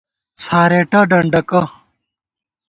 څھارېٹہ ڈنڈَکہ